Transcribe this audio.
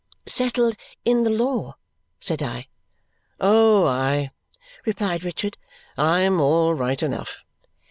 "Settled in the law," said I. "Oh, aye," replied Richard, "I'm all right enough."